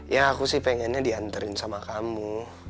ya aku sih pengennya diantarin sama kamu